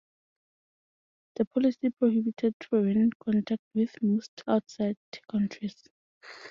The policy prohibited foreign contact with most outside countries.